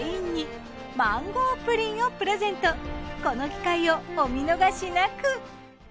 この機会をお見逃しなく。